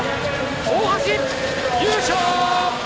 大橋、優勝！